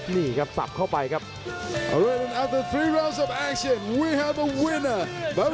นี่ครับสับเข้าไปครับ